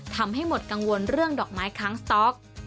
ทำให้หมดกังวลเรื่องดอกไม้ค้างสต๊อก